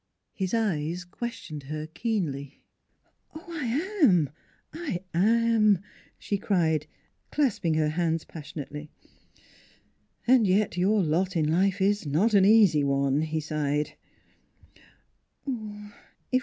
His eyes questioned her keenly. " Oh, I am I am !" she cried, clasping her hands passionately. " And yet your lot in life is not an easy one," he sighed.